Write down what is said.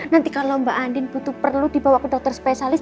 nanti kalau mbak andin butuh perlu dibawa ke dokter spesialis